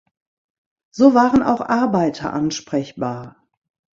So waren auch Arbeiter ansprechbar.